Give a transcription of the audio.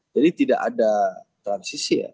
jadi tidak ada transisi ya